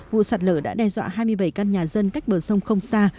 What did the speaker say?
vụ sạt lở đã đe dọa hai mươi bảy căn nhà dân cách bờ sông không xa